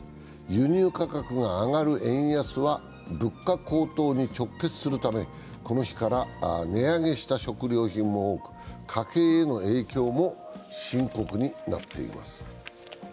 輸入価格が上がる円安は物価高騰に直結するためこの日から値上げした食料品も多く、家計への影響も深刻になっています。